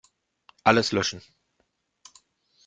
Alles löschen.